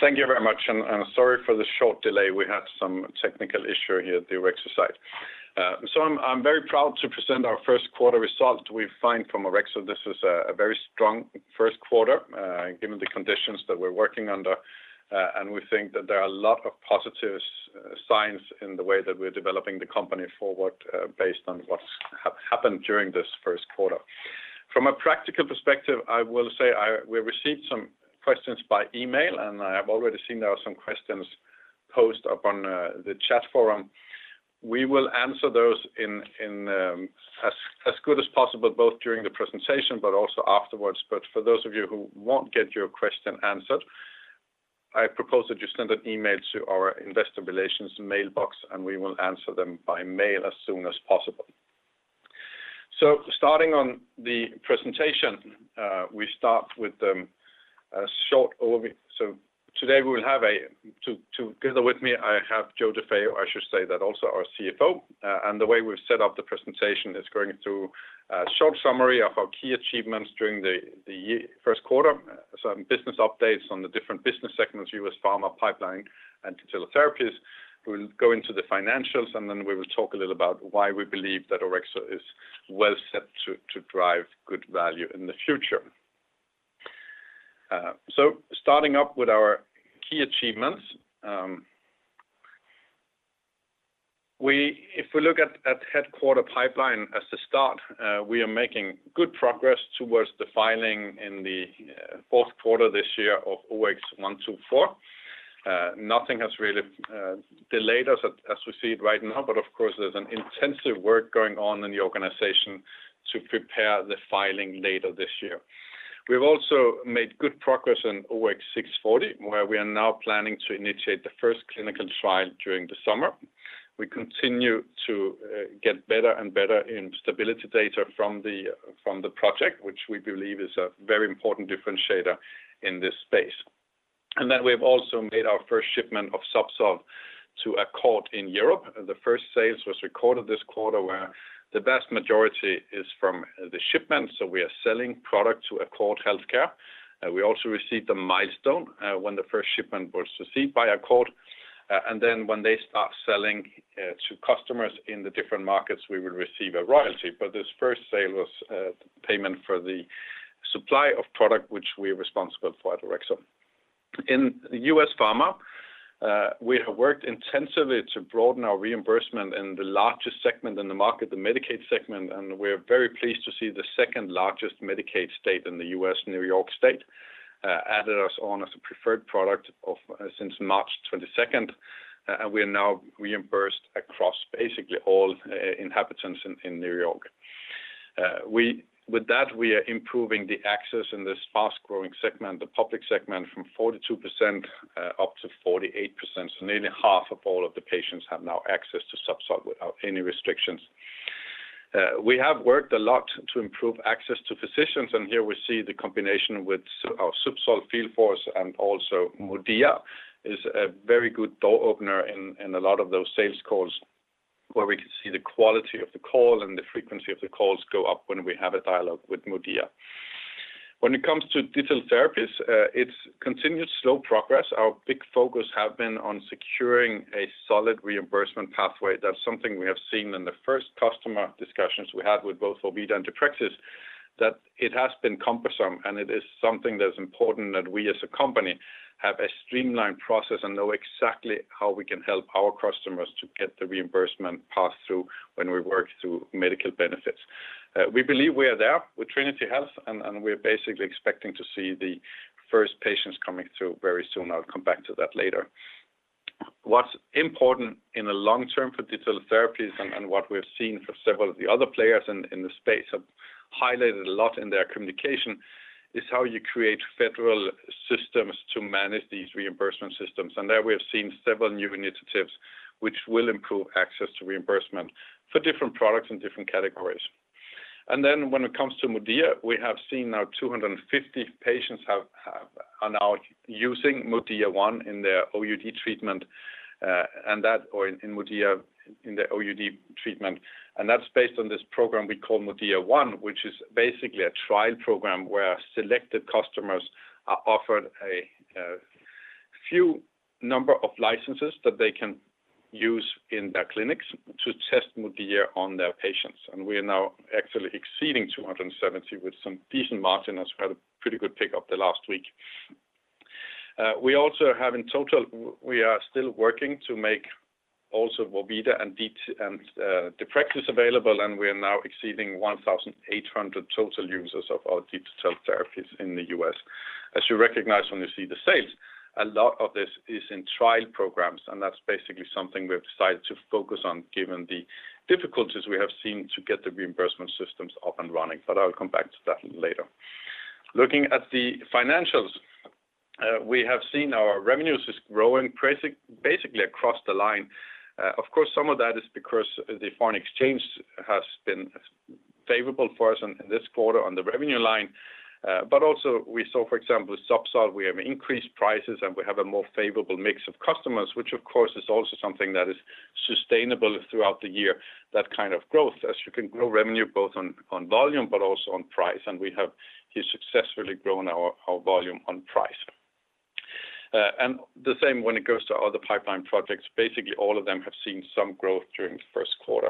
Thank you very much and sorry for the short delay. We had some technical issue here at the Orexo side. So I'm very proud to present our First Quarter Results. We find from Orexo this was a very strong first quarter, given the conditions that we're working under. And we think that there are a lot of positives signs in the way that we're developing the company forward, based on what's happened during this first quarter. From a practical perspective, I will say we received some questions by email, and I have already seen there are some questions posted on the chat forum. We will answer those in as good as possible, both during the presentation but also afterwards. For those of you who won't get your question answered, I propose that you send an email to our investor relations mailbox, and we will answer them by mail as soon as possible. Starting on the presentation, we start with a short overview. Today we will have together with me, I have Joe DeFeo, I should say that also our CFO. The way we've set up the presentation is going through a short summary of our key achievements during the first quarter, some business updates on the different business segments, US Pharma, Pipeline, and Digital Therapies. We'll go into the financials, and then we will talk a little about why we believe that Orexo is well set to drive good value in the future. Starting up with our key achievements. If we look at headquarters pipeline as a start, we are making good progress towards the filing in the fourth quarter this year of OX124. Nothing has really delayed us as we see it right now. Of course, there's intensive work going on in the organization to prepare the filing later this year. We've also made good progress on OX640, where we are now planning to initiate the first clinical trial during the summer. We continue to get better and better in stability data from the project, which we believe is a very important differentiator in this space. We've also made our first shipment of ZUBSOLV to Accord Healthcare in Europe. The first sales was recorded this quarter, where the vast majority is from the shipment. We are selling product to Accord Healthcare. We also received a milestone when the first shipment was received by Accord. Then when they start selling to customers in the different markets, we will receive a royalty. This first sale was payment for the supply of product which we are responsible for at Orexo. In US Pharma, we have worked intensively to broaden our reimbursement in the largest segment in the market, the Medicaid segment. We're very pleased to see the second-largest Medicaid state in the U.S., New York State, added us on as a preferred product of since March 22nd. We are now reimbursed across basically all inhabitants in New York. With that, we are improving the access in this fast-growing segment, the public segment, from 42% up to 48%. Nearly half of all of the patients have now access to ZUBSOLV without any restrictions. We have worked a lot to improve access to physicians, and here we see the combination with our ZUBSOLV field force and also MODIA is a very good door opener in a lot of those sales calls, where we can see the quality of the call and the frequency of the calls go up when we have a dialogue with MODIA. When it comes to Digital Therapeutics, it's continued slow progress. Our big focus have been on securing a solid reimbursement pathway. That's something we have seen in the first customer discussions we had with both vorvida and deprexis, that it has been cumbersome. It is something that's important that we, as a company, have a streamlined process and know exactly how we can help our customers to get the reimbursement path through when we work through medical benefits. We believe we are there with Trinity Health, and we're basically expecting to see the first patients coming through very soon. I'll come back to that later. What's important in the long term for Digital Therapies and what we've seen for several of the other players in the space have highlighted a lot in their communication is how you create federal systems to manage these reimbursement systems. There we have seen several new initiatives which will improve access to reimbursement for different products and different categories. Then when it comes to MODIA, we have seen now 250 patients are now using MODIA One in their OUD treatment in MODIA in the OUD treatment. That's based on this program we call MODIA One, which is basically a trial program where selected customers are offered a few number of licenses that they can use in their clinics to test MODIA on their patients. We are now actually exceeding 270 with some decent margin, as we had a pretty good pick-up the last week. We also have in total, we are still working to make also vorvida and deprexis available, and we are now exceeding 1,800 total users of our digital therapies in the U.S.. As you recognize when you see the sales, a lot of this is in trial programs, and that's basically something we have decided to focus on given the difficulties we have seen to get the reimbursement systems up and running. I will come back to that later. Looking at the financials, we have seen our revenues is growing basically across the line. Of course, some of that is because the foreign exchange has been favorable for us in this quarter on the revenue line. But also we saw, for example, with ZUBSOLV, we have increased prices, and we have a more favorable mix of customers, which of course is also something that is sustainable throughout the year, that kind of growth, as you can grow revenue both on volume but also on price. We have here successfully grown our and price. The same when it goes to other pipeline projects. Basically, all of them have seen some growth during the first quarter.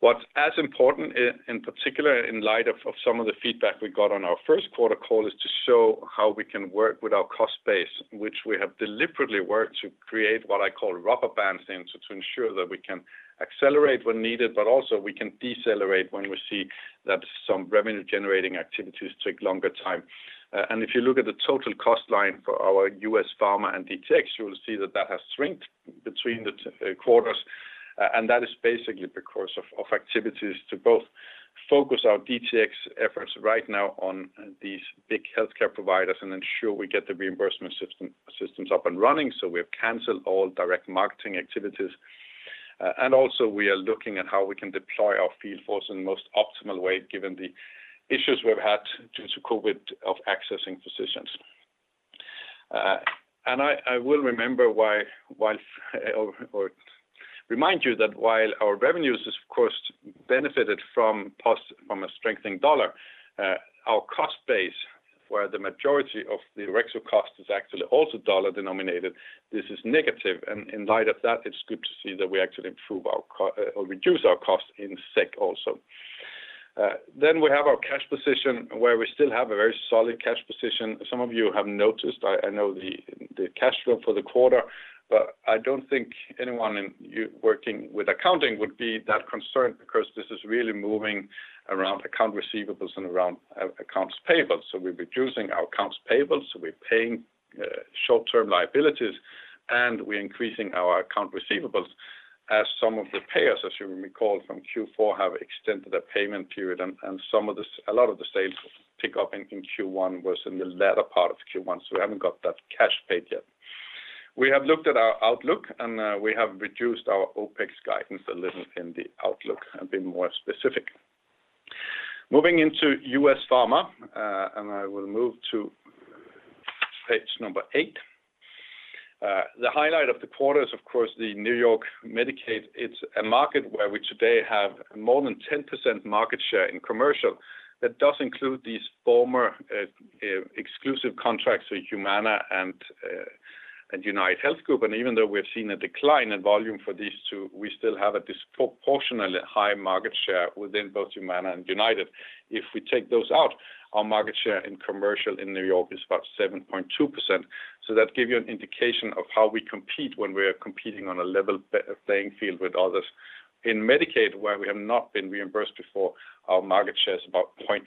What's as important in particular, in light of some of the feedback we got on our first quarter call is to show how we can work with our cost base, which we have deliberately worked to create what I call rubber bands in to ensure that we can accelerate when needed, but also we can decelerate when we see that some revenue-generating activities take longer time. If you look at the total cost line for our US pharma and DTx, you will see that has shrunk between the two quarters. That is basically because of activities to both focus our DTx efforts right now on these big healthcare providers and ensure we get the reimbursement systems up and running, so we have canceled all direct marketing activities. We are looking at how we can deploy our field force in the most optimal way given the issues we've had due to COVID in accessing physicians. I will remind you that while our revenues has, of course, benefited from a strengthening dollar, our cost base, where the majority of the Orexo cost is actually also dollar denominated, this is negative. In light of that, it's good to see that we actually reduce our cost in SEK also. We have our cash position where we still have a very solid cash position. Some of you have noticed. I know the cash flow for the quarter, but I don't think anyone in here working with accounting would be that concerned because this is really moving around accounts receivable and around accounts payable. We're reducing our accounts payable, so we're paying short-term liabilities, and we're increasing our accounts receivable as some of the payers, as you may recall from Q4, have extended the payment period. A lot of the sales pick up in Q1 was in the latter part of Q1, so we haven't got that cash paid yet. We have looked at our outlook, and we have reduced our OpEx guidance a little in the outlook and been more specific. Moving into US pharma, and I will move to page eight. The highlight of the quarter is, of course, the New York Medicaid. It's a market where we today have more than 10% market share in commercial. That does include these former exclusive contracts with Humana and UnitedHealth Group. Even though we have seen a decline in volume for these two, we still have a disproportionately high market share within both Humana and United. If we take those out, our market share in commercial in New York is about 7.2%. That give you an indication of how we compete when we're competing on a level playing field with others. In Medicaid, where we have not been reimbursed before, our market share is about 0.5%,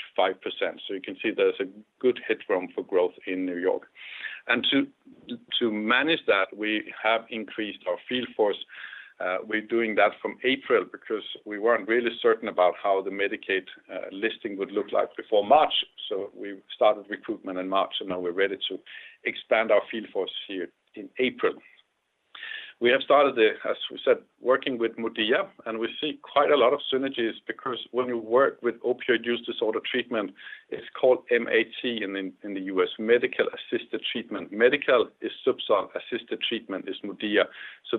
so you can see there's a good headroom for growth in New York. To manage that, we have increased our field force. We're doing that from April because we weren't really certain about how the Medicaid listing would look like before March. We started recruitment in March, and now we're ready to expand our field force here in April. We have started, as we said, working with MODIA, and we see quite a lot of synergies because when you work with opioid use disorder treatment, it's called MAT in the U.S., Medication-Assisted Treatment. Medication is ZUBSOLV, Assisted Treatment is MODIA.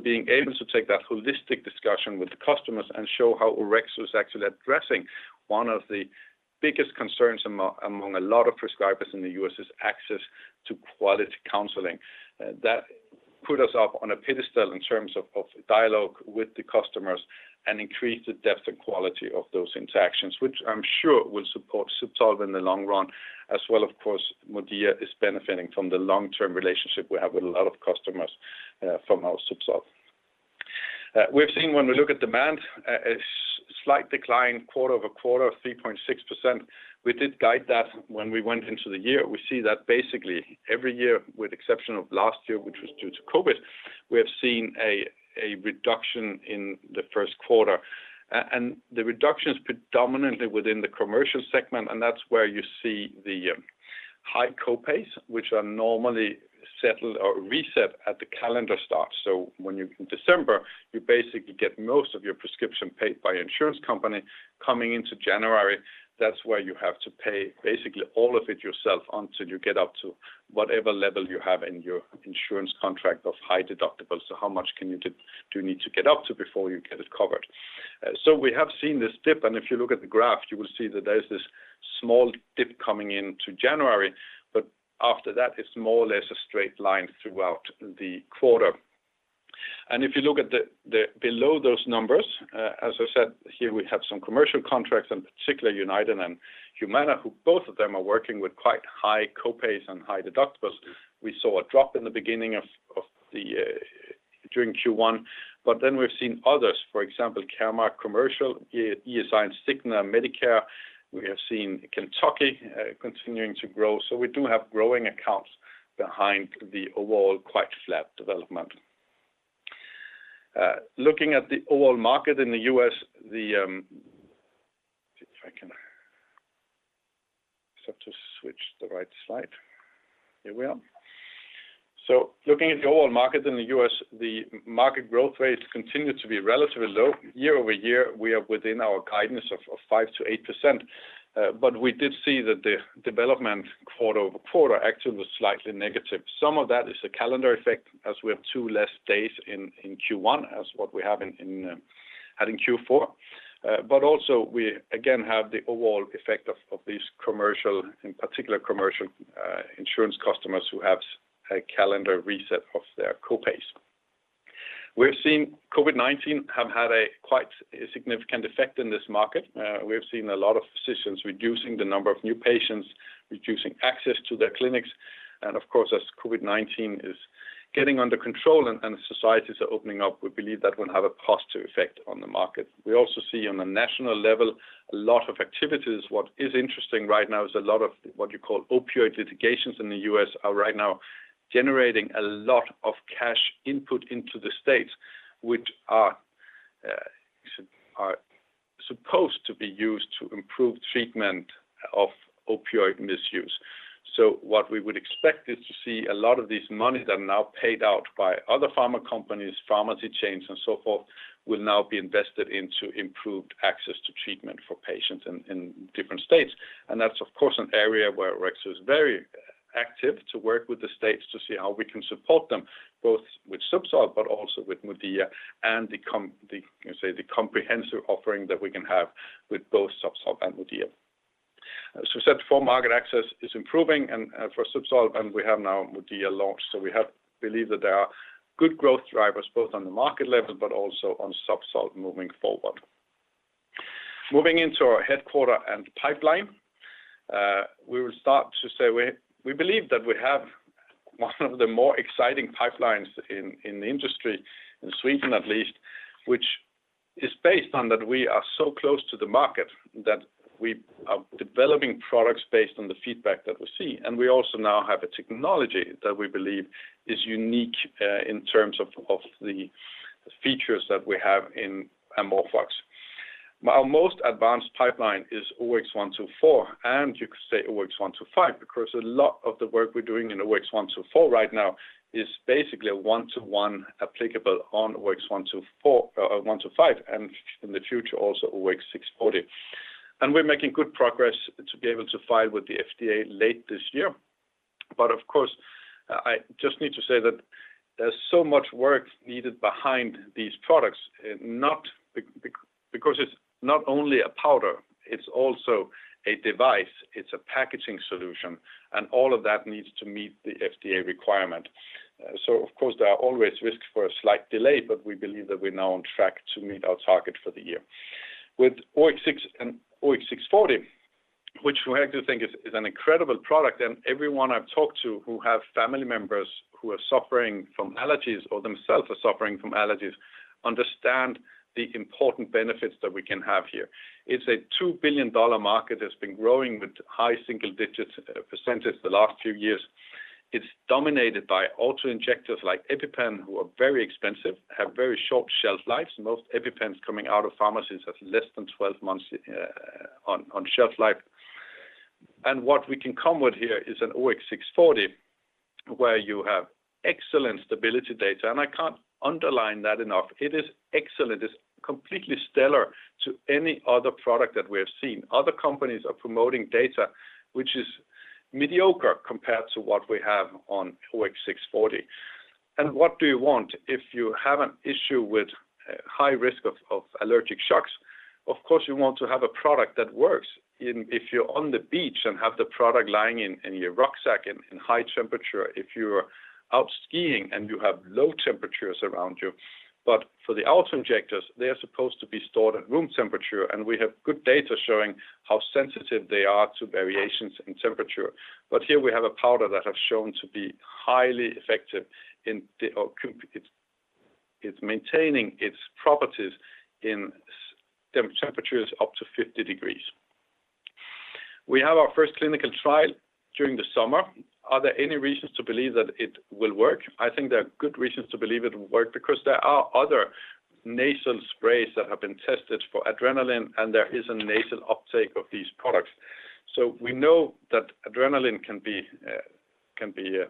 Being able to take that holistic discussion with the customers and show how Orexo is actually addressing one of the biggest concerns among a lot of prescribers in the U.S. is access to quality counseling. That put us up on a pedestal in terms of dialogue with the customers and increase the depth and quality of those interactions, which I'm sure will support ZUBSOLV in the long-run. As well, of course, MODIA is benefiting from the long-term relationship we have with a lot of customers from our ZUBSOLV. We've seen when we look at demand a slight decline quarter-over-quarter of 3.6%. We did guide that when we went into the year. We see that basically every year with exception of last year, which was due to COVID, we have seen a reduction in the first quarter. The reduction is predominantly within the commercial segment, and that's where you see the high co-pays, which are normally settled or reset at the calendar start. In December, you basically get most of your prescription paid by insurance company. Coming into January, that's where you have to pay basically all of it yourself until you get up to whatever level you have in your insurance contract of high deductible. How much do you need to get up to before you get it covered. We have seen this dip, and if you look at the graph, you will see that there's this small dip coming into January. After that, it's more or less a straight line throughout the quarter. If you look at the below those numbers, as I said, here we have some commercial contracts, in particular United and Humana, who both of them are working with quite high co-pays and high deductibles. We saw a drop in the beginning during Q1, but then we've seen others, for example, Caremark commercial, ESI and Cigna Medicare. We have seen Kentucky continuing to grow. We do have growing accounts behind the overall quite flat development. Looking at the overall market in the U.S., the market growth rates continue to be relatively low. Year-over-year, we are within our guidance of 5%-8%. We did see that the development quarter-over-quarter actually was slightly negative. Some of that is a calendar effect as we have two less days in Q1 as what we have had in Q4. We again have the overall effect of these commercial, in particular commercial, insurance customers who have a calendar reset of their co-pays. We've seen COVID-19 have had a quite significant effect in this market. We have seen a lot of physicians reducing the number of new patients, reducing access to their clinics. Of course, as COVID-19 is getting under control and societies are opening up, we believe that will have a positive effect on the market. We also see on a national level a lot of activities. What is interesting right now is a lot of what you call opioid litigations in the U.S. are right now generating a lot of cash input into the states, which are supposed to be used to improve treatment of opioid misuse. What we would expect is to see a lot of these monies that are now paid out by other pharma companies, pharmacy chains, and so forth, will now be invested into improved access to treatment for patients in different states. That's of course an area where Orexo is very active to work with the states to see how we can support them, both with ZUBSOLV but also with MODIA and the comprehensive offering that we can have with both ZUBSOLV and MODIA. As I said before, market access is improving and, for ZUBSOLV, and we have now MODIA launched. We believe that there are good growth drivers both on the market level but also on ZUBSOLV moving forward. Moving into our headquarters and pipeline, we believe that we have one of the more exciting pipelines in the industry, in Sweden at least, which is based on that we are so close to the market that we are developing products based on the feedback that we see. We also now have a technology that we believe is unique, in terms of the features that we have in AmorphOX. Our most advanced pipeline is OX124, and you could say OX125 because a lot of the work we're doing in OX124 right now is basically a one-to-one applicable on OX125, and in the future also OX640. We're making good progress to be able to file with the FDA late this year. Of course, I just need to say that there's so much work needed behind these products, not because it's not only a powder, it's also a device, it's a packaging solution, and all of that needs to meet the FDA requirement. Of course, there are always risks for a slight delay, but we believe that we're now on track to meet our target for the year. With OX6 and OX640, which we actually think is an incredible product, and everyone I've talked to who have family members who are suffering from allergies or themselves are suffering from allergies understand the important benefits that we can have here. It's a $2 billion market that's been growing with high-single-digits percentage the last few years. It's dominated by autoinjectors like EpiPen, who are very expensive, have very short shelf lives. Most EpiPens coming out of pharmacies have less than 12 months on shelf life. What we can come with here is an OX640, where you have excellent stability data, and I can't underline that enough. It is excellent. It's completely stellar to any other product that we have seen. Other companies are promoting data which is mediocre compared to what we have on OX640. What do you want if you have an issue with high risk of allergic shocks? Of course, you want to have a product that works if you're on the beach and have the product lying in your rucksack in high temperature, if you're out skiing and you have low temperatures around you. For the autoinjectors, they are supposed to be stored at room temperature, and we have good data showing how sensitive they are to variations in temperature. Here we have a powder that has shown to be highly effective, it's maintaining its properties in extreme temperatures up to 50 degrees. We have our first clinical trial during the summer. Are there any reasons to believe that it will work? I think there are good reasons to believe it will work because there are other nasal sprays that have been tested for adrenaline, and there is a nasal uptake of these products. We know that adrenaline can be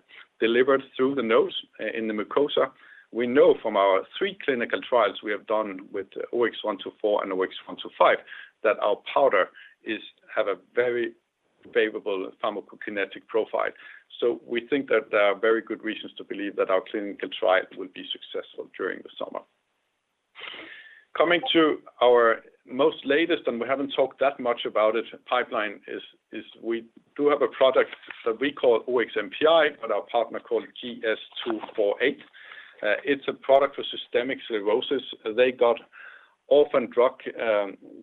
delivered through the nose in the mucosa. We know from our three clinical trials we have done with OX124 and OX125 that our powder has a very favorable pharmacokinetic profile. We think that there are very good reasons to believe that our clinical trial will be successful during the summer. Coming to our most latest, and we haven't talked that much about it, pipeline is we do have a product that we call OX-MPI, but our partner calls GS-248. It's a product for systemic sclerosis. They got orphan drug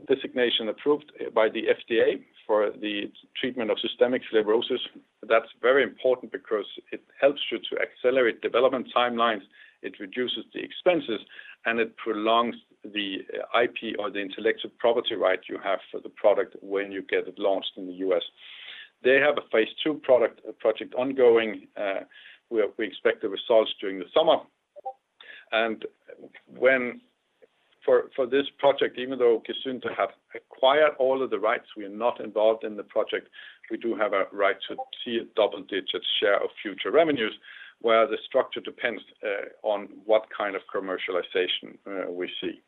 designation approved by the FDA for the treatment of systemic sclerosis. That's very important because it helps you to accelerate development timelines, it reduces the expenses, and it prolongs the IP or the intellectual property right you have for the product when you get it launched in the U.S. They have a phase II product project ongoing. We expect the results during the summer. For this project, even though [Kissei] have acquired all of the rights, we are not involved in the project. We do have a right to see a double-digit share of future revenues, where the structure depends on what kind of commercialization we see.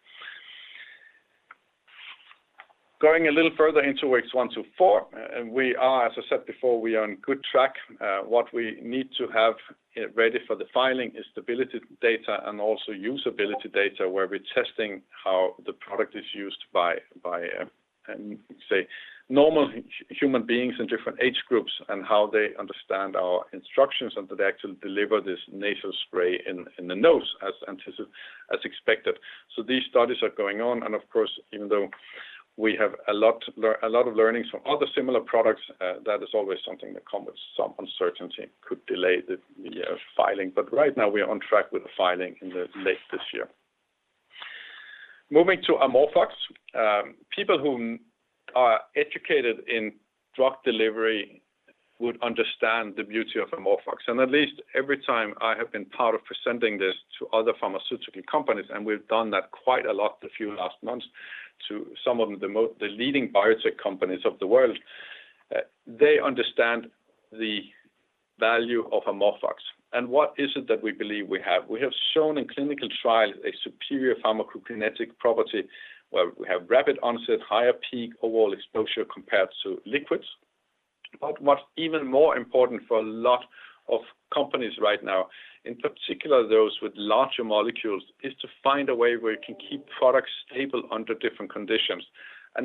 Going a little further into OX124, we are, as I said before, on good track. What we need to have ready for the filing is stability data and also usability data, where we're testing how the product is used by normal human beings in different age groups and how they understand our instructions and that they actually deliver this nasal spray in the nose as expected. These studies are going on, and of course, even though we have a lot of learnings from other similar products, that is always something that come with some uncertainty, could delay the filing. Right now, we are on track with the filing in the late this year. Moving to AmorphOX. People who are educated in drug delivery would understand the beauty of AmorphOX. At least every time I have been part of presenting this to other pharmaceutical companies, and we've done that quite a lot the last few months to some of the leading biotech companies of the world, they understand the value of AmorphOX. What is it that we believe we have? We have shown in clinical trials a superior pharmacokinetic property where we have rapid onset, higher peak, overall exposure compared to liquids. What's even more important for a lot of companies right now, in particular those with larger molecules, is to find a way where you can keep products stable under different conditions.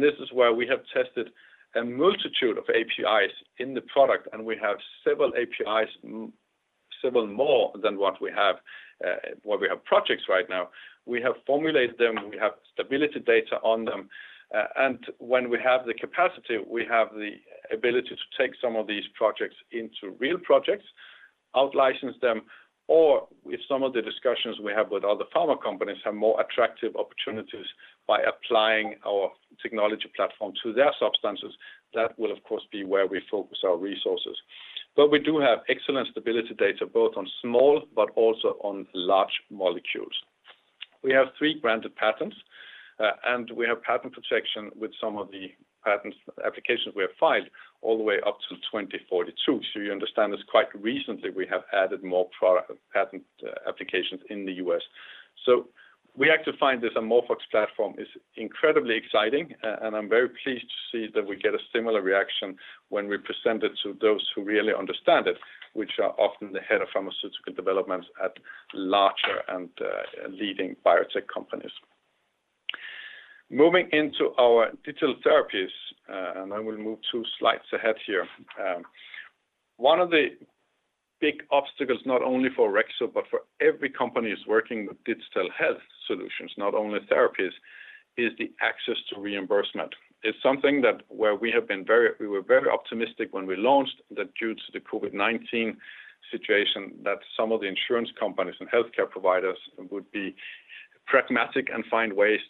This is where we have tested a multitude of APIs in the product, and we have several APIs, several more than what we have projects right now. We have formulated them, we have stability data on them. When we have the capacity, we have the ability to take some of these projects into real projects, out-license them, or if some of the discussions we have with other pharma companies have more attractive opportunities by applying our technology platform to their substances, that will, of course, be where we focus our resources. We do have excellent stability data, both on small but also on large molecules. We have three granted patents, and we have patent protection with some of the patent applications we have filed all the way up to 2042. You understand this quite recently, we have added more product patent applications in the U.S. We actually find this AmorphOX platform is incredibly exciting. I'm very pleased to see that we get a similar reaction when we present it to those who really understand it, which are often the head of pharmaceutical developments at larger and leading biotech companies. Moving into our digital therapies. I will move two slides ahead here. One of the big obstacles, not only for Orexo, but for every company is working with digital health solutions, not only therapies, is the access to reimbursement. It's something where we were very optimistic when we launched that due to the COVID-19 situation, that some of the insurance companies and healthcare providers would be pragmatic and find ways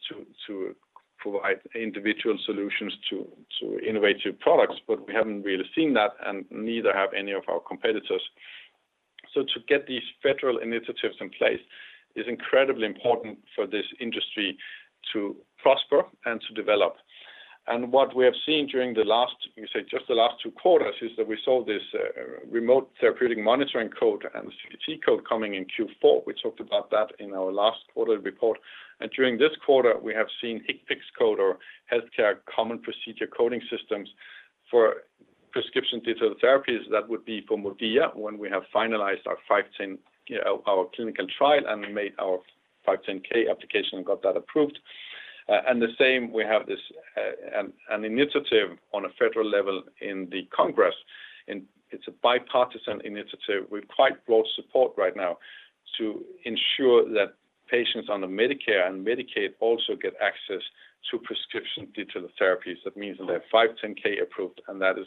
to provide individual solutions to innovative products. We haven't really seen that and neither have any of our competitors. To get these federal initiatives in place is incredibly important for this industry to prosper and to develop. What we have seen during the last, you can say just the last two quarters, is that we saw this remote therapeutic monitoring code and CPT code coming in Q4. We talked about that in our last quarter report. During this quarter, we have seen HCPCS code or Healthcare Common Procedure Coding System for prescription digital therapies that would be for MODIA when we have finalized our 510(k), you know, our clinical trial and made our 510(k) application and got that approved. And the same, we have this, an initiative on a federal level in the Congress, and it's a bipartisan initiative with quite broad support right now to ensure that patients on the Medicare and Medicaid also get access to prescription digital therapies. That means they have 510(k) approved, and that is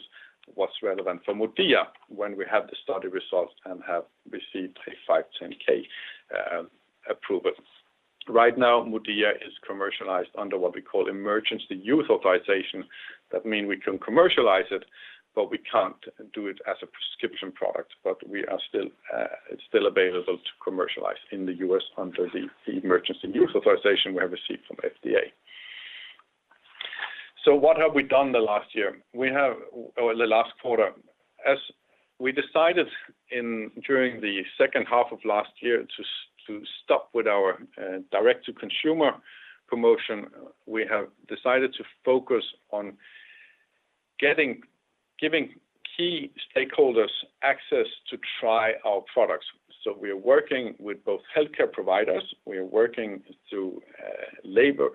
what's relevant for MODIA when we have the study results and have received a 510(k) approval. Right now, MODIA is commercialized under what we call Emergency Use Authorization. That means we can commercialize it, but we can't do it as a prescription product. But we are still, it's still available to commercialize in the U.S. under the Emergency Use Authorization we have received from FDA. What have we done the last year? Or the last quarter. As we decided in, during the second half of last year to stop with our, direct-to-consumer promotion, we have decided to focus on giving key stakeholders access to try our products. We are working with both healthcare providers, we are working through, labor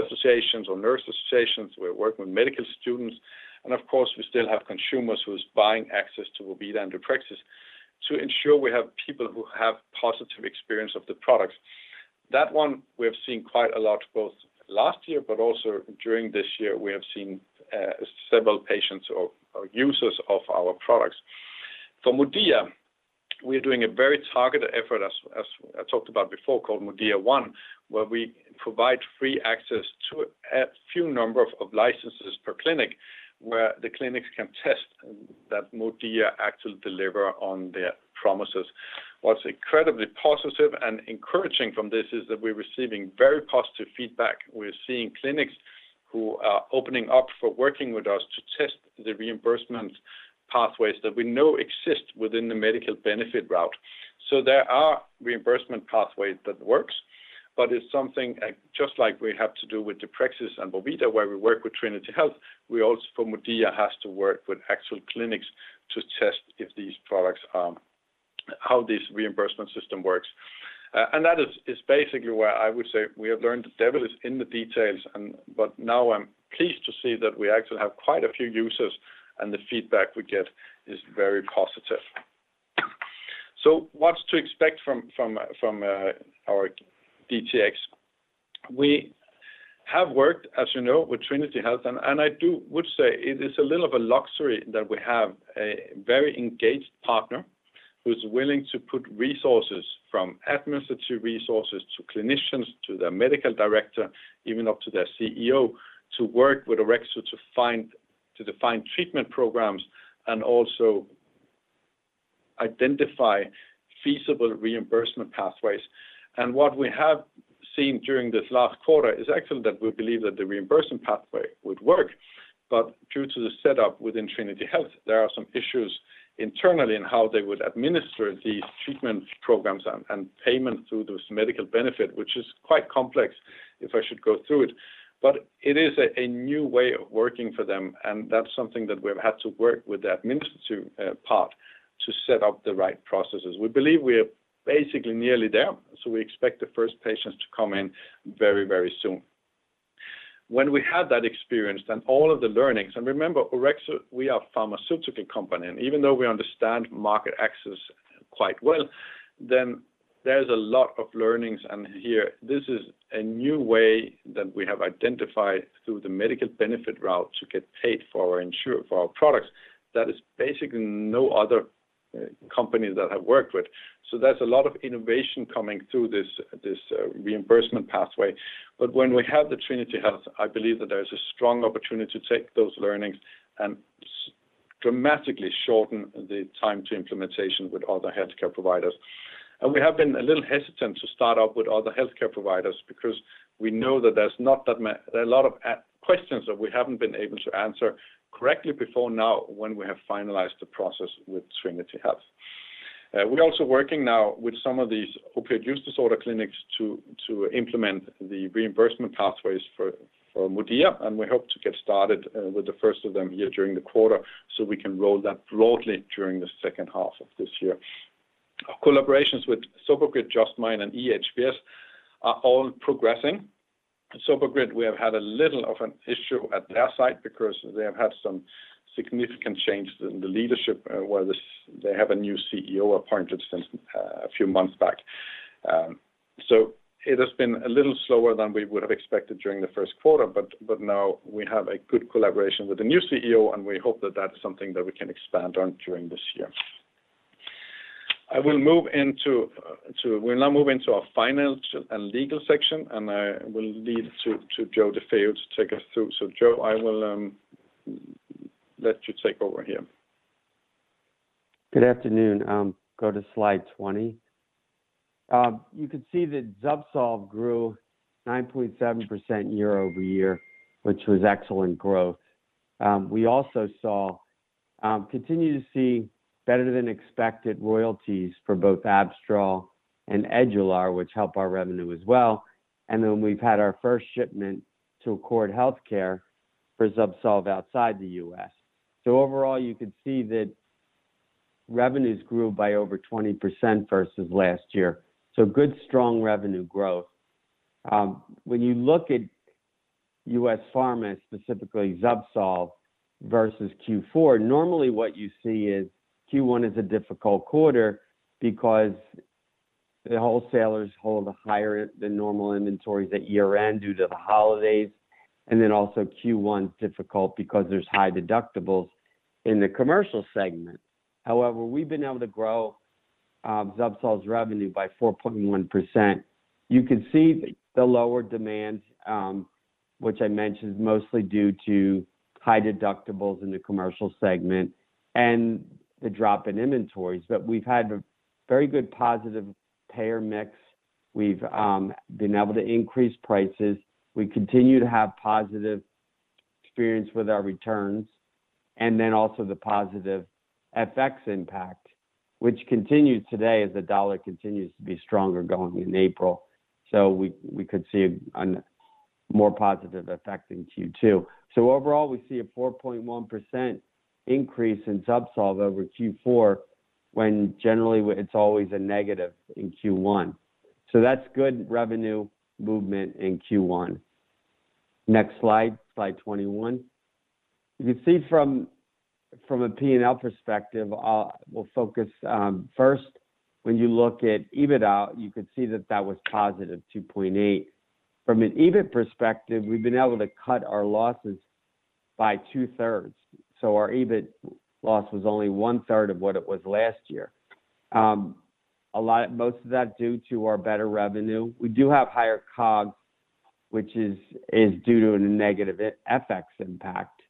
associations or nurse associations, we're working with medical students, and of course, we still have consumers who's buying access to vorvida and deprexis to ensure we have people who have positive experience of the products. That one, we have seen quite a lot both last year but also during this year, we have seen, several patients or users of our products. For MODIA, we're doing a very targeted effort, as I talked about before, called MODIA One, where we provide free access to a few number of licenses per clinic, where the clinics can test that MODIA actually deliver on their promises. What's incredibly positive and encouraging from this is that we're receiving very positive feedback. We're seeing clinics who are opening up for working with us to test the reimbursement pathways that we know exist within the Medicaid benefit route. There are reimbursement pathways that works, but it's something just like we have to do with deprexis and vorvida, where we work with Trinity Health. We also for MODIA has to work with actual clinics to test if these products are how this reimbursement system works. That is basically where I would say we have learned the devil is in the details, but now I'm pleased to see that we actually have quite a few users, and the feedback we get is very positive. What's to expect from our DTx? We have worked, as you know, with Trinity Health, and I would say it is a little of a luxury that we have a very engaged partner who's willing to put resources, from administrative resources, to clinicians, to their medical director, even up to their CEO, to work with Orexo to define treatment programs and also identify feasible reimbursement pathways. What we have seen during this last quarter is actually that we believe that the reimbursement pathway would work. Due to the setup within Trinity Health, there are some issues internally in how they would administer the treatment programs and payment through this medical benefit, which is quite complex if I should go through it. It is a new way of working for them, and that's something that we've had to work with the administrative part to set up the right processes. We believe we are basically nearly there, so we expect the first patients to come in very, very soon. When we have that experience, then all of the learnings. Remember, Orexo, we are a pharmaceutical company, and even though we understand market access quite well, then there's a lot of learnings. Here, this is a new way that we have identified through the medical benefit route to get paid for our products that is basically no other company that I've worked with. There's a lot of innovation coming through this reimbursement pathway. When we have the Trinity Health, I believe that there is a strong opportunity to take those learnings and dramatically shorten the time to implementation with other healthcare providers. We have been a little hesitant to start up with other healthcare providers because we know that there are a lot of questions that we haven't been able to answer correctly before now when we have finalized the process with Trinity Health. We're also working now with some of these opioid use disorder clinics to implement the reimbursement pathways for MODIA, and we hope to get started with the first of them here during the quarter, so we can roll that broadly during the second half of this year. Our collaborations with Sober Grid, Justmiine, and EHBS are all progressing. Sober Grid, we have had a little of an issue at their site because they have had some significant changes in the leadership. They have a new CEO appointed since a few months back. So it has been a little slower than we would have expected during the first quarter, but now we have a good collaboration with the new CEO, and we hope that that's something that we can expand on during this year. I will move into to. We'll now move into our financial and legal section, and I will leave it to Joseph DeFeo to take us through. Joseph, I will let you take over here. Good afternoon. Go to slide 20. You can see that ZUBSOLV grew 9.7% year-over-year, which was excellent growth. We continue to see better than expected royalties for both Abstral and Edluar, which help our revenue as well. We've had our first shipment to Accord Healthcare for ZUBSOLV outside the U.S.. Overall, you could see that revenues grew by over 20% versus last year. Good, strong revenue growth. When you look at US Pharma, specifically ZUBSOLV versus Q4, normally what you see is Q1 is a difficult quarter because the wholesalers hold a higher than normal inventories at year-end due to the holidays. Q1 is difficult because there's high deductibles in the commercial segment. However, we've been able to grow ZUBSOLV's revenue by 4.1%. You can see the lower demand, which I mentioned is mostly due to high deductibles in the commercial segment and the drop in inventories. We've had a very good positive payer mix. We've been able to increase prices. We continue to have positive experience with our returns, and then also the positive FX impact, which continues today as the dollar continues to be stronger going into April. We could see a more positive effect in Q2. Overall, we see a 4.1% increase in ZUBSOLV over Q4, when generally it's always a negative in Q1. That's good revenue movement in Q1. Next slide 21. You see from a P&L perspective, we'll focus first when you look at EBITDA, you could see that was positive, 2.8. From an EBIT perspective, we've been able to cut our losses by two-thirds. Our EBIT loss was only one-third of what it was last year. Most of that due to our better revenue. We do have higher COGS, which is due to a negative FX impact,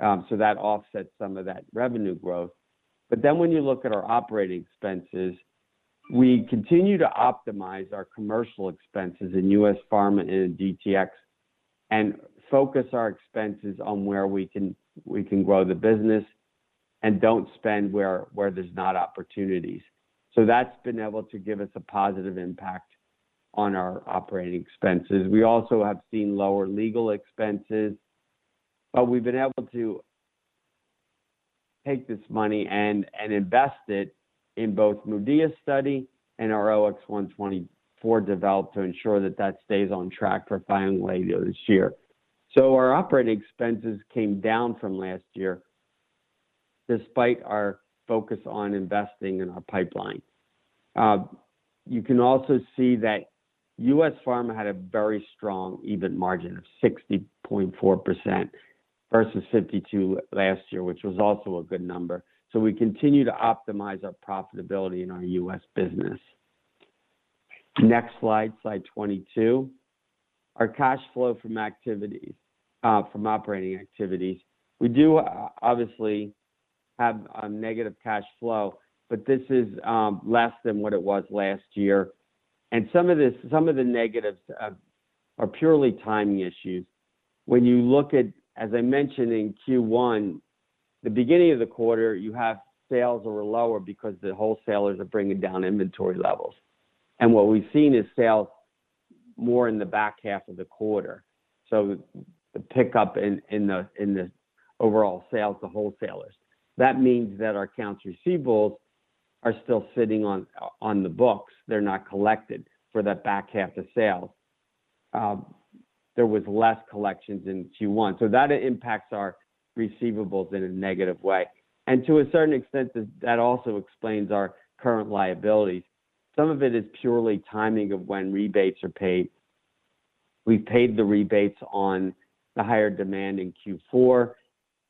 so that offsets some of that revenue growth. When you look at our operating expenses, we continue to optimize our commercial expenses in US Pharma and in DTx and focus our expenses on where we can grow the business and don't spend where there's not opportunities. That's been able to give us a positive impact on our operating expenses. We also have seen lower legal expenses, but we've been able to take this money and invest it in both MODIA study and our OX124 development to ensure that that stays on track for filing later this year. Our operating expenses came down from last year despite our focus on investing in our pipeline. You can also see that US Pharma had a very strong EBIT margin of 60.4% versus 52% last year, which was also a good number. We continue to optimize our profitability in our U.S. business. Next slide 22. Our cash flow from operating activities. We do obviously have a negative cash flow, but this is less than what it was last year. Some of this, some of the negatives are purely timing issues. When you look at, as I mentioned in Q1, the beginning of the quarter, you have sales that were lower because the wholesalers are bringing down inventory levels. What we've seen is sales more in the back half of the quarter. The pickup in the overall sales to wholesalers. That means that our accounts receivables are still sitting on the books. They're not collected for that back half of sales. There was less collections in Q1. That impacts our receivables in a negative way. To a certain extent, that also explains our current liabilities. Some of it is purely timing of when rebates are paid. We paid the rebates on the higher demand in Q4.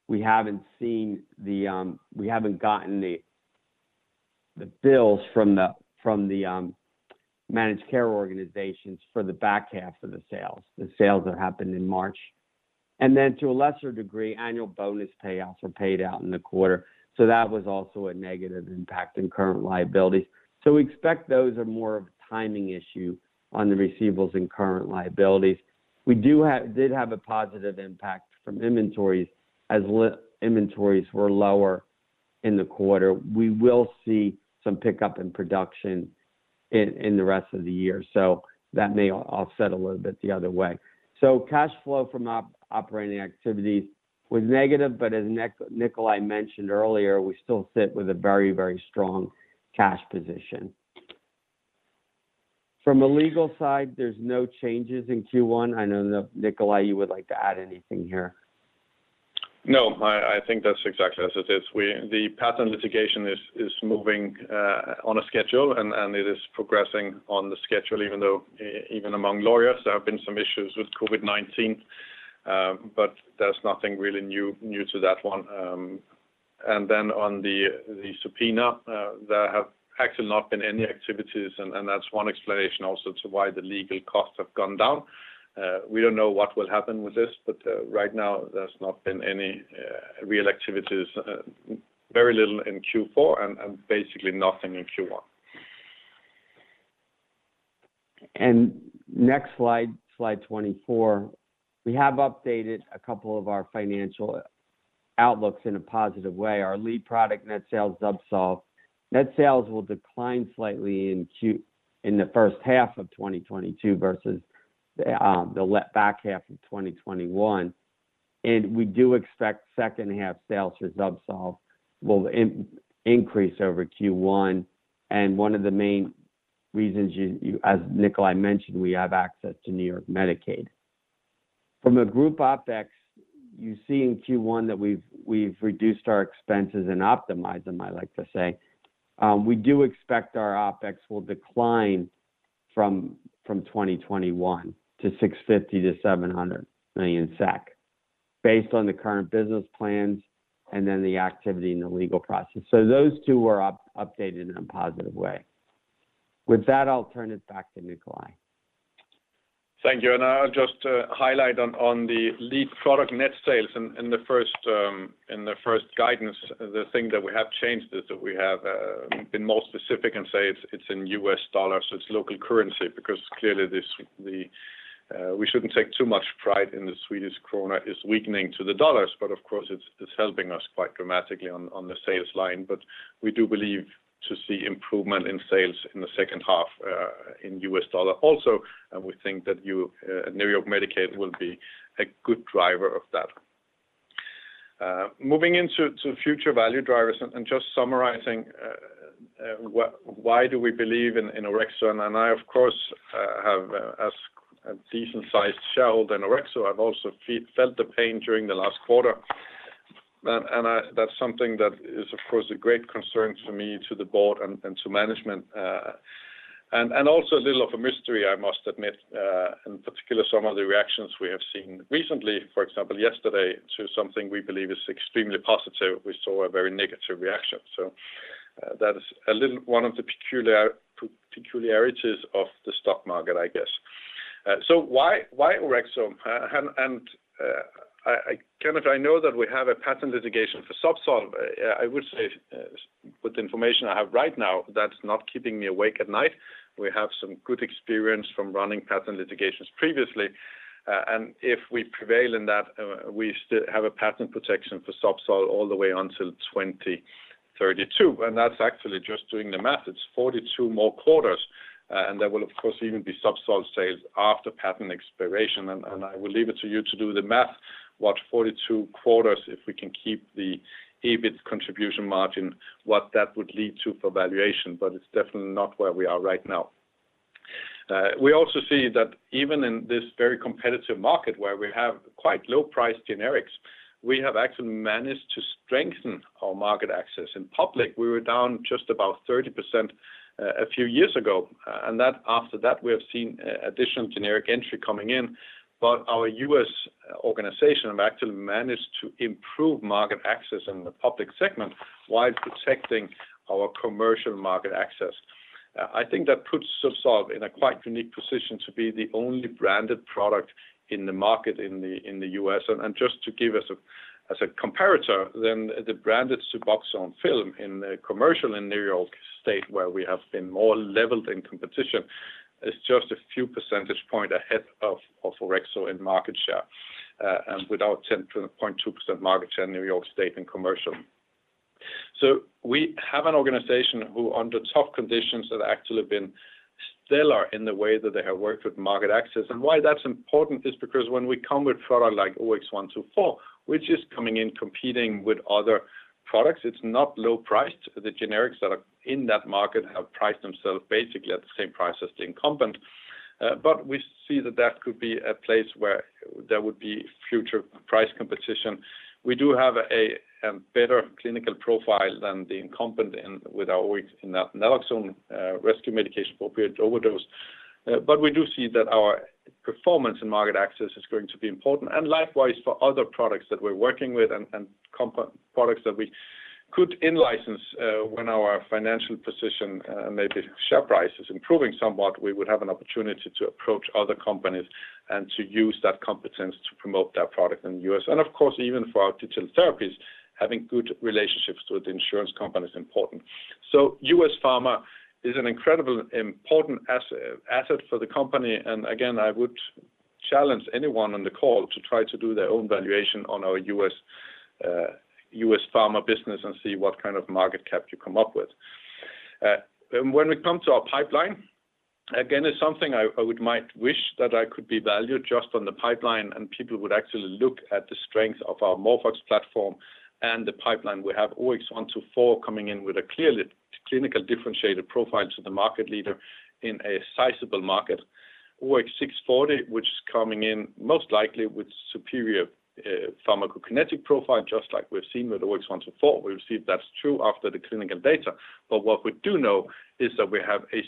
We haven't seen the. We haven't gotten the bills from the managed care organizations for the back half of the sales, the sales that happened in March. To a lesser degree, annual bonus payoffs were paid out in the quarter. That was also a negative impact in current liabilities. We expect those are more of a timing issue on the receivables and current liabilities. We did have a positive impact from inventories. Inventories were lower in the quarter. We will see some pickup in production in the rest of the year. That may offset a little bit the other way. Cash flow from operating activities was negative, but as Nikolaj mentioned earlier, we still sit with a very, very strong cash position. From a legal side, there's no changes in Q1. I know, Nikolaj, would you like to add anything here? No, I think that's exactly as it is. The patent litigation is moving on a schedule, and it is progressing on the schedule, even though even among lawyers, there have been some issues with COVID-19. There's nothing really new to that one. On the subpoena, there have actually not been any activities, and that's one explanation also to why the legal costs have gone down. We don't know what will happen with this, but right now there's not been any real activities, very little in Q4 and basically nothing in Q1. Next slide 24. We have updated a couple of our financial outlooks in a positive way. Our lead product net sales, ZUBSOLV. Net sales will decline slightly in the first half of 2022 versus the back half of 2021. We do expect second half sales for ZUBSOLV will increase over Q1, and one of the main reasons as Nikolaj mentioned, we have access to New York Medicaid. From a group OpEx, you see in Q1 that we've reduced our expenses and optimized them, I like to say. We do expect our OpEx will decline from 2021 to 650- 700 million SEK based on the current business plans and then the activity in the legal process. Those two were updated in a positive way. With that, I'll turn it back to Nikolaj. Thank you. I'll just highlight on the lead product net sales in the first guidance, the thing that we have changed is that we have been more specific and say it's in U.S. dollars, so it's local currency because clearly this, the, we shouldn't take too much pride in the Swedish krona is weakening to the dollars, but of course, it's helping us quite dramatically on the sales line. We do believe to see improvement in sales in the second half in U.S. dollar also, and we think that New York Medicaid will be a good driver of that. Moving into future value drivers and just summarizing, why do we believe in Orexo? I, of course, have a decent-sized shareholding in Orexo. I've also felt the pain during the last quarter. That's something that is, of course, a great concern for me, to the board, and to management. Also a bit of a mystery, I must admit, in particular, some of the reactions we have seen recently, for example, yesterday, to something we believe is extremely positive. We saw a very negative reaction. That is a little one of the peculiarities of the stock market, I guess. Why Orexo? Kenneth, I know that we have a patent litigation for ZUBSOLV. I would say, with the information I have right now, that's not keeping me awake at night. We have some good experience from running patent litigations previously. If we prevail in that, we still have patent protection for ZUBSOLV all the way until 2032. That's actually just doing the math. It's 42 more quarters, and there will of course even be ZUBSOLV sales after patent expiration. I will leave it to you to do the math, what 42 quarters, if we can keep the EBIT contribution margin, what that would lead to for valuation, but it's definitely not where we are right now. We also see that even in this very competitive market where we have quite low price generics, we have actually managed to strengthen our market access. In public, we were down just about 30%, a few years ago, and that after that we have seen additional generic entry coming in. Our U.S. organization have actually managed to improve market access in the public segment while protecting our commercial market access. I think that puts ZUBSOLV in a quite unique position to be the only branded product in the market in the U.S.. Just to give us a comparator, then the branded Suboxone film in the commercial in New York State where we have been more leveled in competition is just a few percentage point ahead of Orexo in market share, and with our 10.2% market share in New York State in commercial. We have an organization who under tough conditions have actually been stellar in the way that they have worked with market access. Why that's important is because when we come with product like OX124, which is coming in competing with other products, it's not low priced. The generics that are in that market have priced themselves basically at the same price as the incumbent. We see that that could be a place where there would be future price competition. We do have a better clinical profile than the incumbent in that naloxone rescue medication for opioid overdose. We do see that our performance in market access is going to be important. Likewise for other products that we're working with and products that we could in-license, when our financial position, maybe share price is improving somewhat, we would have an opportunity to approach other companies and to use that competence to promote that product in the U.S.. Of course, even for our digital therapies, having good relationships with insurance company is important. US Pharma is an incredibly important asset for the company. Again, I would challenge anyone on the call to try to do their own valuation on our US Pharma business and see what kind of market cap you come up with. When we come to our pipeline, again, it's something I would might wish that I could be valued just on the pipeline, and people would actually look at the strength of our AmorphOX platform and the pipeline. We have OX124 coming in with a clearly clinically differentiated profile to the market leader in a sizable market. OX640, which is coming in most likely with superior pharmacokinetic profile, just like we've seen with OX124. We will see if that's true after the clinical data. What we do know is that we have a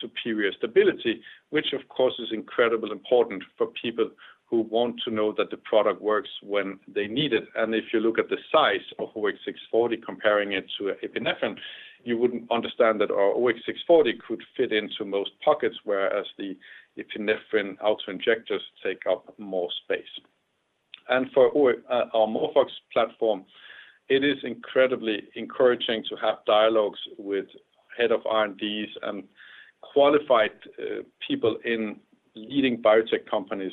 superior stability, which of course is incredibly important for people who want to know that the product works when they need it. If you look at the size of OX640 comparing it to epinephrine, you wouldn't understand that our OX640 could fit into most pockets, whereas the epinephrine auto-injectors take up more space. For our AmorphOX platform, it is incredibly encouraging to have dialogues with heads of R&D and qualified people in leading biotech companies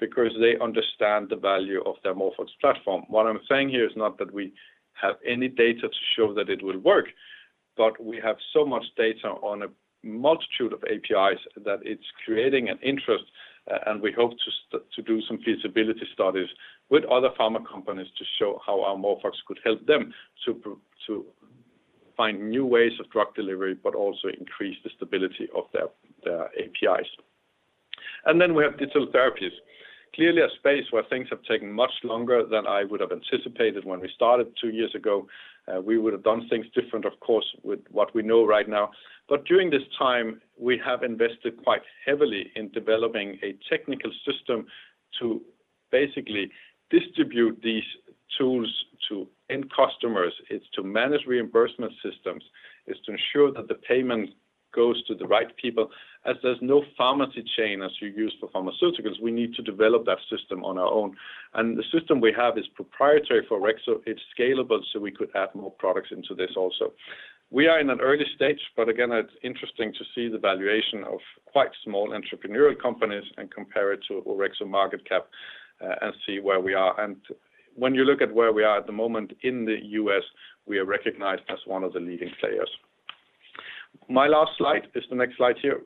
because they understand the value of the AmorphOX platform. What I'm saying here is not that we have any data to show that it will work, but we have so much data on a multitude of APIs that it's creating an interest, and we hope to do some feasibility studies with other pharma companies to show how our AmorphOX could help them to find new ways of drug delivery, but also increase the stability of their APIs. We have digital therapies. Clearly a space where things have taken much longer than I would have anticipated when we started two years ago. We would have done things different, of course, with what we know right now. During this time, we have invested quite heavily in developing a technical system to basically distribute these tools to end customers. It's to manage reimbursement systems. It's to ensure that the payment goes to the right people. As there's no pharmacy chain as we use for pharmaceuticals, we need to develop that system on our own. The system we have is proprietary for Orexo. It's scalable, so we could add more products into this also. We are in an early stage, but again, it's interesting to see the valuation of quite small entrepreneurial companies and compare it to Orexo market cap, and see where we are. When you look at where we are at the moment in the U.S., we are recognized as one of the leading players. My last slide is the next slide here.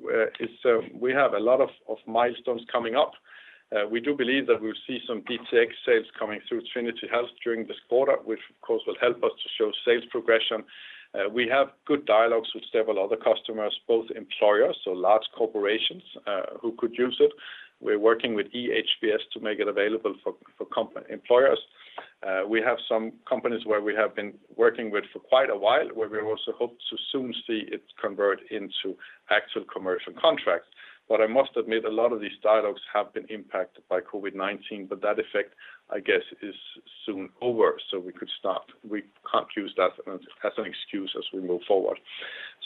We have a lot of milestones coming up. We do believe that we'll see some DTx sales coming through Trinity Health during this quarter, which of course will help us to show sales progression. We have good dialogues with several other customers, both employers, so large corporations, who could use it. We're working with EHBS to make it available for employers. We have some companies where we have been working with for quite a while, where we also hope to soon see it convert into actual commercial contracts. I must admit, a lot of these dialogues have been impacted by COVID-19, but that effect, I guess, is soon over, so we could start. We can't use that as an excuse as we move forward.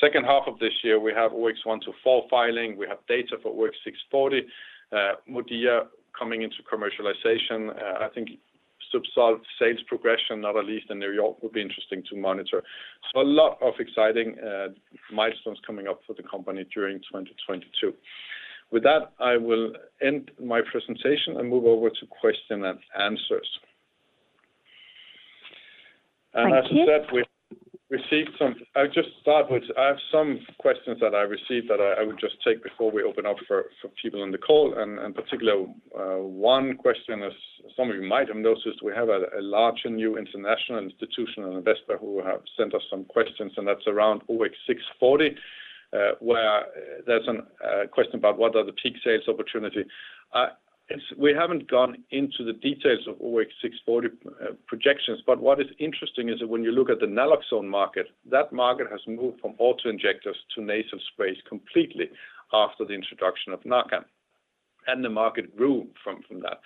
Second half of this year, we have OX124 filing. We have data for OX640. MODIA coming into commercialization. I think ZUBSOLV sales progression, not least in New York, will be interesting to monitor. A lot of exciting milestones coming up for the company during 2022. With that, I will end my presentation and move over to question and answers. Thank you. As I said, we received some. I'll just start with I have some questions that I received that I would just take before we open up for people on the call. In particular, one question, as some of you might have noticed, we have a larger new international institutional investor who have sent us some questions, and that's around OX640, where there's a question about what are the peak sales opportunity. It's we haven't gone into the details of OX640 projections, but what is interesting is that when you look at the naloxone market, that market has moved from autoinjectors to nasal sprays completely after the introduction of NARCAN, and the market grew from that.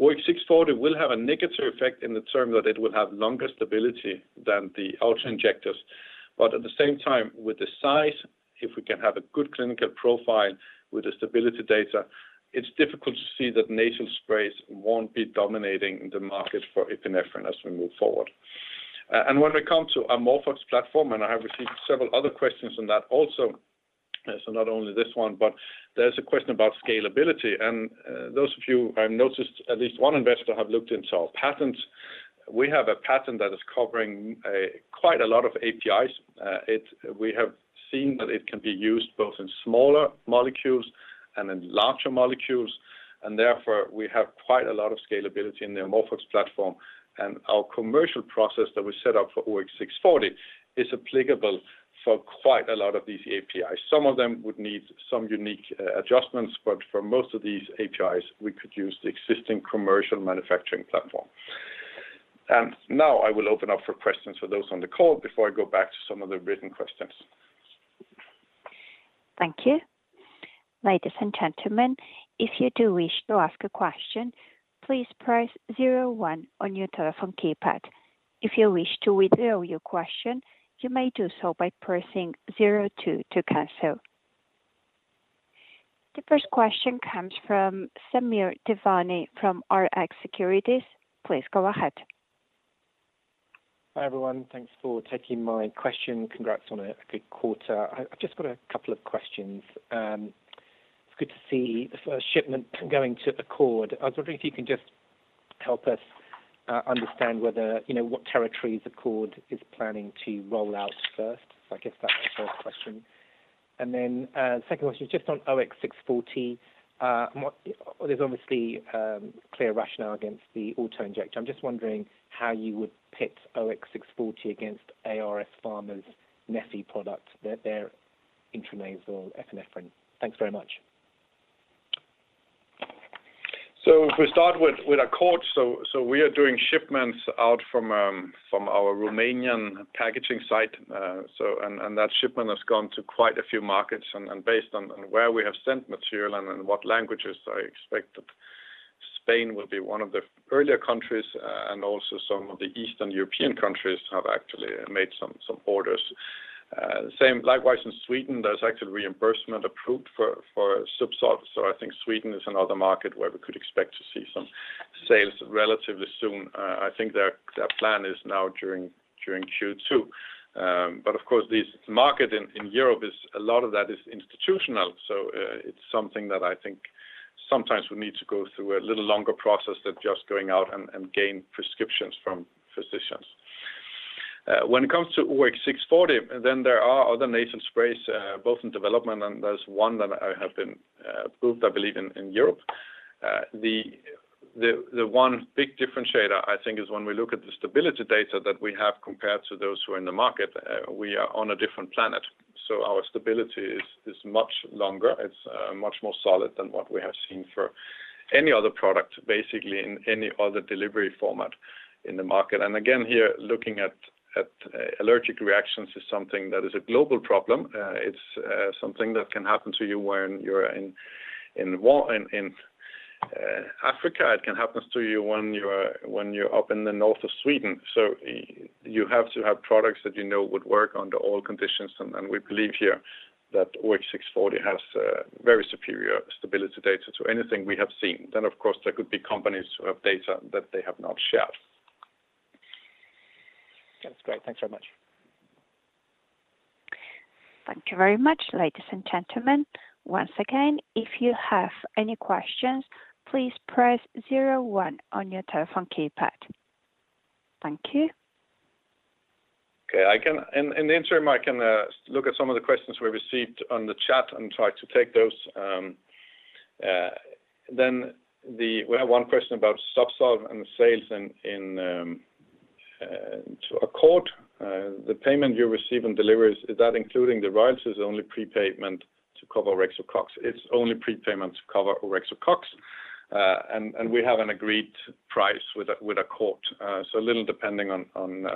OX640 will have a negative effect in the long-term that it will have longer stability than the autoinjectors. At the same time, with the size, if we can have a good clinical profile with the stability data, it's difficult to see that nasal sprays won't be dominating the market for epinephrine as we move forward. When it comes to our AmorphOX platform, and I have received several other questions on that also, so not only this one, but there's a question about scalability. Those of you I've noticed at least one investor have looked into our patents. We have a patent that is covering quite a lot of APIs. We have seen that it can be used both in smaller molecules and in larger molecules, and therefore, we have quite a lot of scalability in the AmorphOX platform. Our commercial process that we set up for OX640 is applicable for quite a lot of these APIs. Some of them would need some unique adjustments, but for most of these APIs, we could use the existing commercial manufacturing platform. Now I will open up for questions for those on the call before I go back to some of the written questions. Thank you. Ladies and gentlemen, if you do wish to ask a question, please press zero one on your telephone keypad. If you wish to withdraw your question, you may do so by pressing zero two to cancel. The first question comes from Samir Devani from Rx Securities. Please go ahead. Hi, everyone. Thanks for taking my question. Congrats on a good quarter. I've just got a couple of questions. It's good to see the first shipment going to Accord. I was wondering if you can just help us understand whether what territories Accord is planning to roll out first. I guess that's my first question. Then, second question is just on OX640. There's obviously clear rationale against the autoinjector. I'm just wondering how you would pit OX640 against ARS Pharma's neffy product, their intranasal epinephrine. Thanks very much. If we start with Accord, we are doing shipments out from our Romanian packaging site. That shipment has gone to quite a few markets. Based on where we have sent material and what languages, I expect that Spain will be one of the earlier countries, and also some of the Eastern European countries have actually made some orders. Likewise in Sweden, there's actually reimbursement approved for ZUBSOLV, so I think Sweden is another market where we could expect to see some sales relatively soon. I think their plan is now during Q2. Of course this market in Europe is a lot of that is institutional, so it's something that I think sometimes we need to go through a little longer process than just going out and gain prescriptions from physicians. When it comes to OX640, there are other nasal sprays both in development, and there's one that have been approved, I believe, in Europe. The one big differentiator, I think, is when we look at the stability data that we have compared to those who are in the market, we are on a different planet. Our stability is much longer. It's much more solid than what we have seen for any other product, basically in any other delivery format in the market. Again, here, looking at allergic reactions is something that is a global problem. It's something that can happen to you when you're in Africa. It can happen to you when you're up in the north of Sweden. You have to have products that you know would work under all conditions. We believe here that OX640 has very superior stability data to anything we have seen. Of course, there could be companies who have data that they have not shared. That's great. Thanks very much. Thank you very much. Ladies and gentlemen, once again, if you have any questions, please press zero one on your telephone keypad. Thank you. In the interim, I can look at some of the questions we received on the chat and try to take those. We have one question about ZUBSOLV and the sales to Accord. The payment you receive in deliveries, is that including the royalties or only prepayment to cover Orexo COGS? It's only prepayment to cover Orexo COGS. And we have an agreed price with Accord. So a little depending on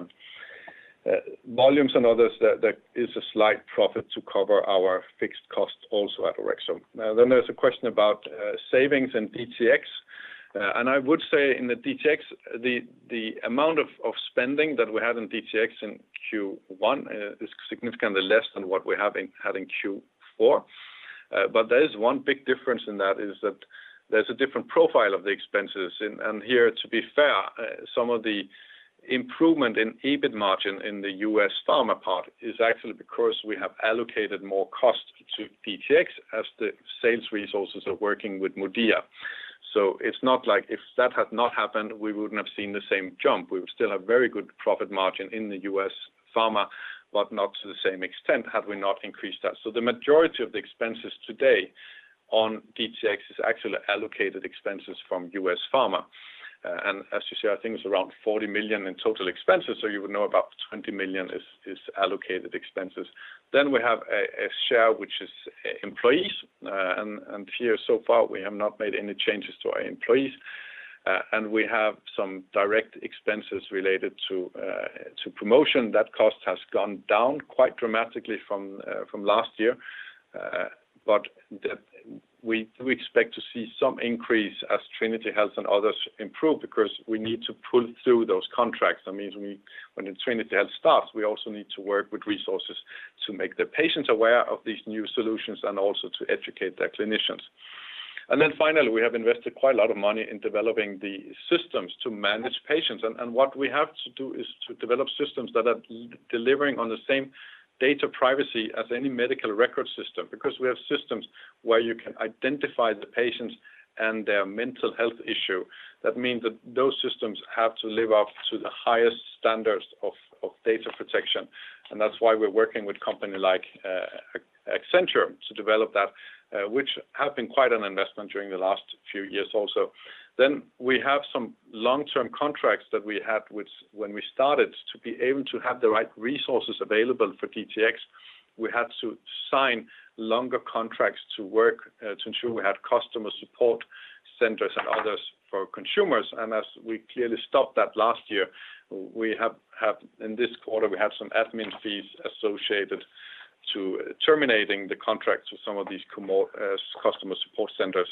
volumes and others that is a slight profit to cover our fixed costs also at Orexo. Then there's a question about savings in DTx. And I would say in the DTx, the amount of spending that we had in DTx in Q1 is significantly less than what we had in Q4. There is one big difference in that, is that there's a different profile of the expenses. Here, to be fair, some of the improvement in EBIT margin in the US pharma part is actually because we have allocated more cost to DTx as the sales resources are working with MODIA. It's not like if that had not happened, we wouldn't have seen the same jump. We would still have very good profit margin in the US pharma, but not to the same extent had we not increased that. The majority of the expenses today on DTx is actually allocated expenses from US pharma. As you say, I think it's around 40 million in total expenses, so you would know about 20 million is allocated expenses. We have a share which is employees, and here so far, we have not made any changes to our employees. We have some direct expenses related to promotion. That cost has gone down quite dramatically from last year. We expect to see some increase as Trinity Health and others improve because we need to pull through those contracts. That means we, when the Trinity Health starts, we also need to work with resources to make the patients aware of these new solutions and also to educate their clinicians. Finally, we have invested quite a lot of money in developing the systems to manage patients. What we have to do is to develop systems that are delivering on the same data privacy as any medical record system because we have systems where you can identify the patients and their mental health issue. That means that those systems have to live up to the highest standards of data protection. That's why we're working with a company like Accenture to develop that, which has been quite an investment during the last few years also. We have some long-term contracts that we had when we started to be able to have the right resources available for DTx. We had to sign longer contracts to work to ensure we had customer support centers and others for consumers. As we clearly stopped that last year, in this quarter, we have some admin fees associated to terminating the contracts with some of these customer support centers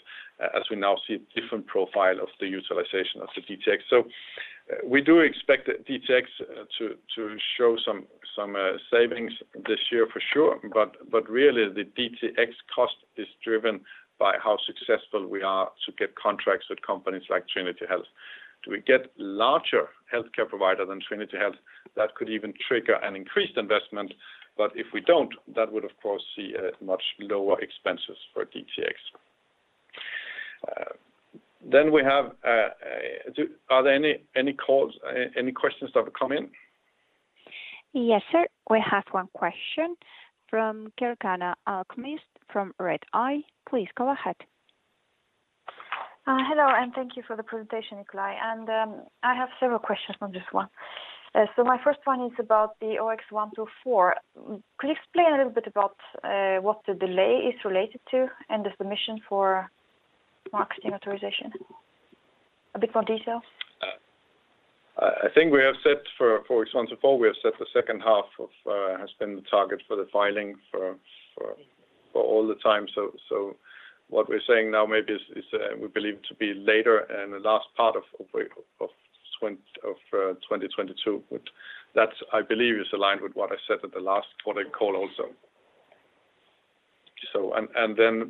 as we now see different profile of the utilization of the DTx. We do expect DTx to show some savings this year for sure. Really the DTx cost is driven by how successful we are to get contracts with companies like Trinity Health. Do we get larger healthcare provider than Trinity Health? That could even trigger an increased investment, but if we don't, that would of course see a much lower expenses for DTx. Then we have. Are there any calls, any questions that have come in? Yes, sir. We have one question from Gergana Almquist from Redeye. Please go ahead. Hello, and thank you for the presentation, Nikolaj. I have several questions, not just one. My first one is about the OX124. Could you explain a little bit about what the delay is related to and the submission for marketing authorization? A bit more detail. I think we have set, for OX124, the second half has been the target for the filing all the time. What we're saying now maybe is we believe to be later in the last part of 2022. That, I believe, is aligned with what I said at the last quarter call also.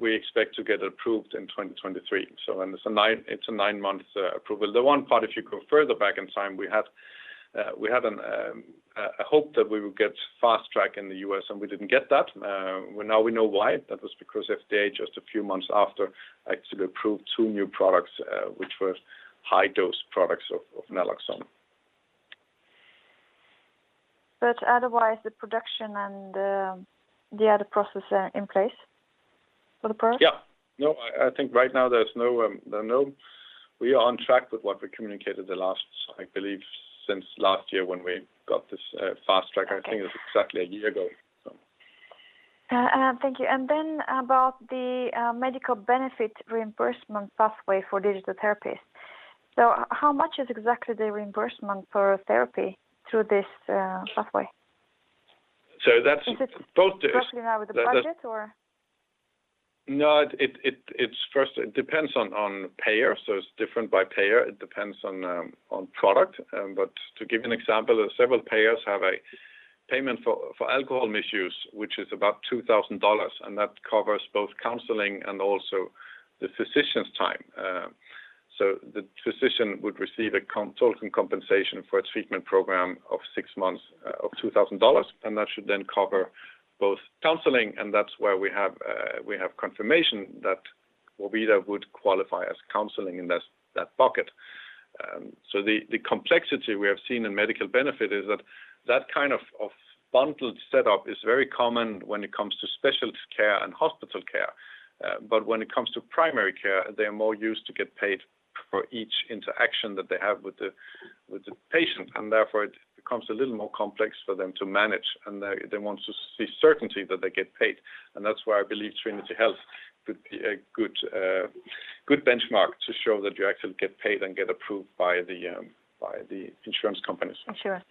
We expect to get approved in 2023. It's a nine-month approval. The one part, if you go further back in time, we had a hope that we would get fast track in the U.S., and we didn't get that. We now know why. That was because FDA, just a few months after, actually approved two new products, which were high-dose products of naloxone. Otherwise, the production and the other process are in place for the product? Yeah. No, I think right now we are on track with what we communicated the last, I believe, since last year when we got this Fast Track. I think it was exactly a year ago, so. Thank you. About the medical benefit reimbursement pathway for digital therapies. How much is exactly the reimbursement for a therapy through this pathway? That's both the. Is it roughly now with the budget or? No, it is first it depends on payer. It's different by payer. It depends on product. But to give you an example, several payers have a payment for alcohol misuse, which is about $2,000, and that covers both counseling and also the physician's time. The physician would receive a consulting compensation for a treatment program of six months of $2,000, and that should then cover both counseling, and that's where we have confirmation that MODIA would qualify as counseling in that bucket. The complexity we have seen in medical benefit is that that kind of bundled setup is very common when it comes to specialist care and hospital care. When it comes to primary care, they are more used to get paid for each interaction that they have with the patient, and therefore it becomes a little more complex for them to manage, and they want to see certainty that they get paid. That's why I believe Trinity Health could be a good benchmark to show that you actually get paid and get approved by the insurance companies. Insurance.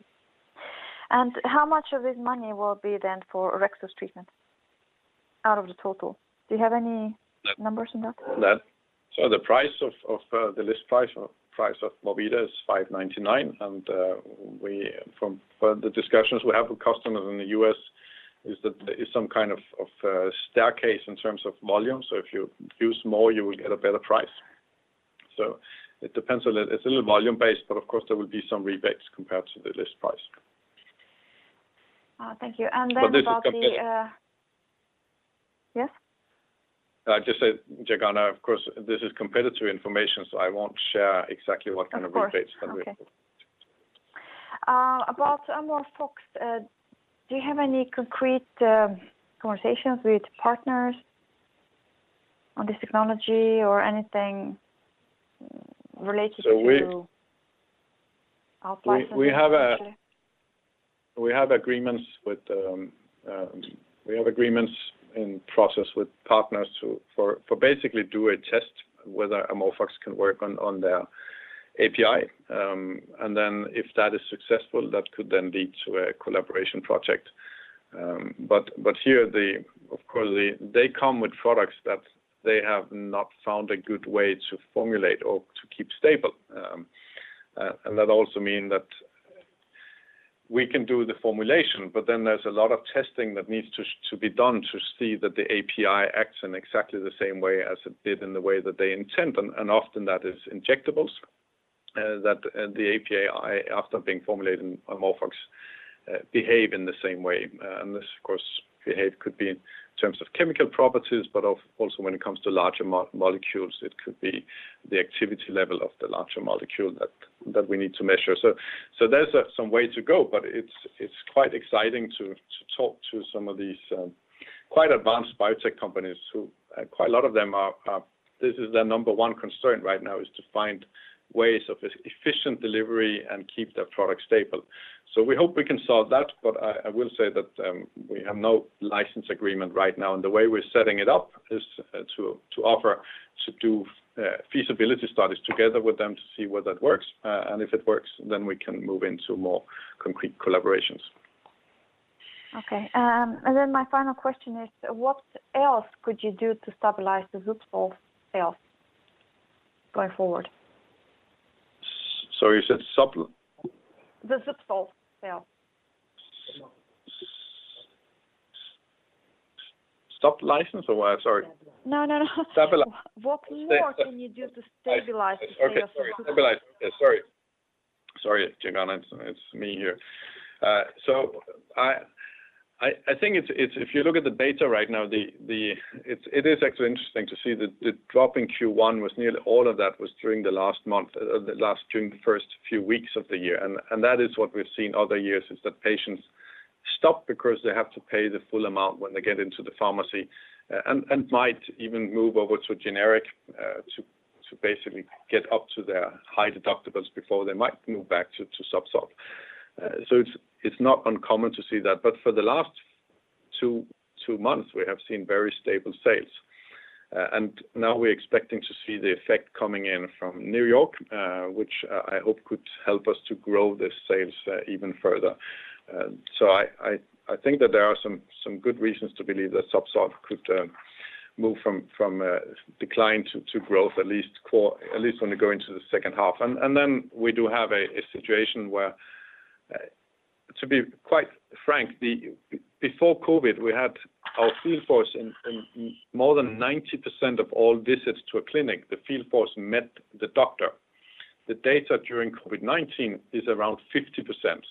How much of this money will be then for Orexo treatment out of the total? Do you have any numbers on that? The list price of MODIA is $599. From the discussions we have with customers in the U.S., there is some kind of staircase in terms of volume. If you use more, you will get a better price. It depends a little. It's a little volume-based, but of course, there will be some rebates compared to the list price. Thank you. This is. Yes? I just said, Gergana Almquist, of course, this is competitive information, so I won't share exactly what kind of rebates that we have. About AmorphOX, do you have any concrete conversations with partners on this technology or anything related to? So we. Outlicensing potentially? We have agreements in process with partners to basically do a test whether AmorphOX can work on their API. Then if that is successful, that could lead to a collaboration project. But here, of course, they come with products that they have not found a good way to formulate or to keep stable. And that also mean that we can do the formulation, but then there's a lot of testing that needs to be done to see that the API acts in exactly the same way as it did in the way that they intend. Often that is injectables, the API after being formulated in AmorphOX behave in the same way. This of course behavior could be in terms of chemical properties, but also when it comes to larger molecules, it could be the activity level of the larger molecule that we need to measure. There's some way to go, but it's quite exciting to talk to some of these quite advanced biotech companies who quite a lot of them are. This is their number one concern right now, is to find ways of efficient delivery and keep their product stable. We hope we can solve that, but I will say that we have no license agreement right now, and the way we're setting it up is to offer to do feasibility studies together with them to see whether it works. If it works, then we can move into more concrete collaborations. My final question is: What else could you do to stabilize the ZUBSOLV sales going forward? Sorry, you said supple? The ZUBSOLV sales. Sublicense or what? Sorry. No, no. Stabili? What more can you do to stabilize the sales? Sorry, Gergana. It's me here. I think it's if you look at the data right now. It is actually interesting to see the drop in Q1 was nearly all of that was during the first few weeks of the year. That is what we've seen other years, is that patients stop because they have to pay the full amount when they get into the pharmacy and might even move over to generic to basically get up to their high deductibles before they might move back to ZUBSOLV. It's not uncommon to see that. For the last two months, we have seen very stable sales. Now we're expecting to see the effect coming in from New York, which I hope could help us to grow the sales even further. I think that there are some good reasons to believe that ZUBSOLV could move from decline to growth at least when we go into the second half. Then we do have a situation where, to be quite frank, before COVID, we had our field force in more than 90% of all visits to a clinic, the field force met the doctor. The data during COVID-19 is around 50%.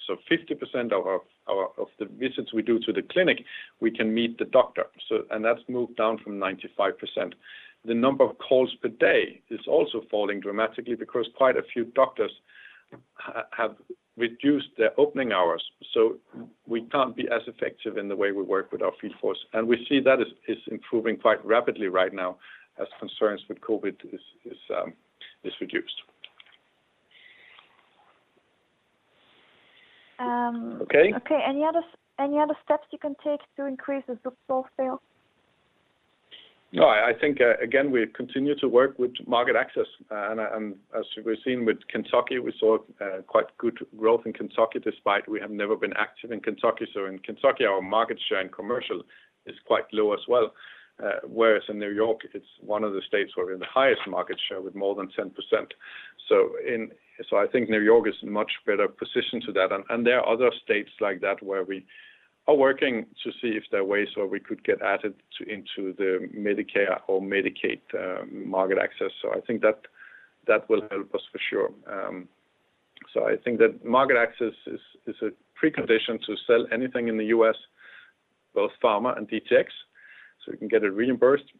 So 50% of our visits we do to the clinic, we can meet the doctor. That's moved down from 95%. The number of calls per day is also falling dramatically because quite a few doctors have reduced their opening hours, so we can't be as effective in the way we work with our field force. We see that is improving quite rapidly right now as concerns with COVID is reduced. Okay? Okay. Any other steps you can take to increase the ZUBSOLV sales? No, I think, again, we continue to work with market access, and as we've seen with Kentucky, we saw quite good growth in Kentucky despite we have never been active in Kentucky. In Kentucky, our market share and commercial is quite low as well. Whereas in New York, it's one of the states where we have the highest market share with more than 10%. I think New York is in much better position to that. There are other states like that where we are working to see if there are ways where we could get added into the Medicare or Medicaid market access. I think that will help us for sure. I think that market access is a precondition to sell anything in the U.S., both pharma and DTx, so we can get it reimbursed.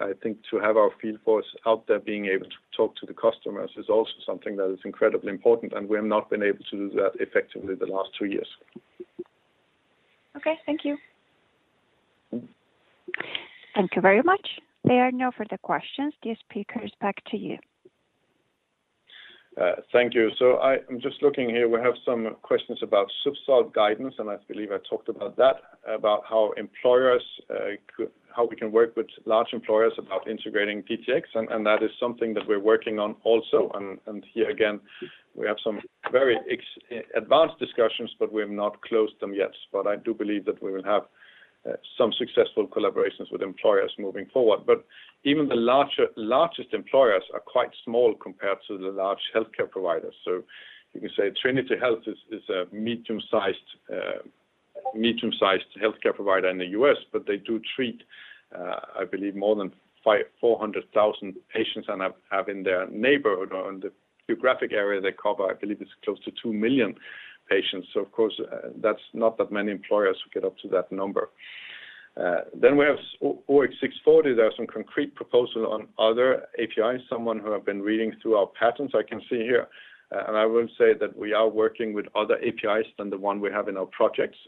I think to have our field force out there being able to talk to the customers is also something that is incredibly important, and we have not been able to do that effectively the last two years. Okay. Thank you. Thank you very much. There are no further questions. Dear speakers, back to you. Thank you. I'm just looking here. We have some questions about ZUBSOLV guidance, and I believe I talked about that, about how we can work with large employers about integrating DTx and that is something that we're working on also. Here again, we have some very advanced discussions, but we have not closed them yet. I do believe that we will have some successful collaborations with employers moving forward. Even the largest employers are quite small compared to the large healthcare providers. You can say Trinity Health is a medium-sized healthcare provider in the U.S., but they do treat, I believe more than 400,000 patients and have in their neighborhood or in the geographic area they cover, I believe it's close to 2 million patients. Of course, that's not that many employers who get up to that number. We have OX640. There are some concrete proposals on other APIs, someone who have been reading through our patents, I can see here. I will say that we are working with other APIs than the one we have in our projects,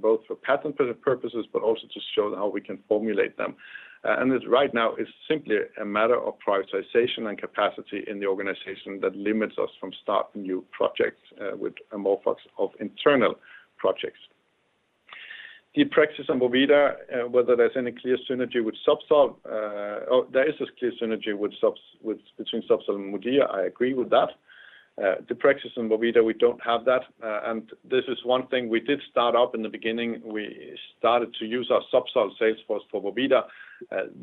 both for patent purposes, but also to show how we can formulate them. This right now is simply a matter of prioritization and capacity in the organization that limits us from starting new projects, with a more focus of internal projects. deprexis and vorvida, whether there's any clear synergy with ZUBSOLV. There is this clear synergy between ZUBSOLV and MODIA, I agree with that. deprexis and vorvida, we don't have that. This is one thing we did start up in the beginning. We started to use our ZUBSOLV sales force for vorvida.